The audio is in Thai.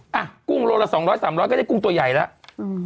อ่ะกุ้งโลละสองร้อยสามร้อยก็ได้กุ้งตัวใหญ่แล้วอืม